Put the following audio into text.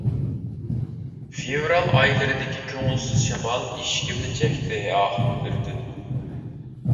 فېۋرال ئايلىرىدىكى كۆڭۈلسىز شامال ئىشىكىمنى چەكتى ئاھ، بىردىن.